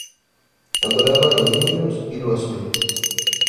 Adoraba los niños y lo azul.